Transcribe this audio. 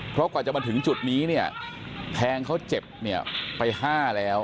เพราะกว่าจะมาถึงจุดนี้เนี่ยแทงเขาเจ็บเนี่ยไป๕แล้ว